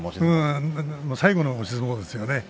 最後の押し相撲ですよね。